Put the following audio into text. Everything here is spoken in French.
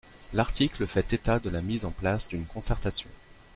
L’article fait état de la mise en place d’une concertation.